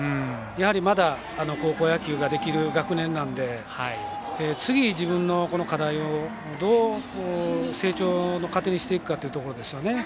まだ高校野球ができる学年なんで次、自分の課題をどう成長の糧にしていくかというとこですよね。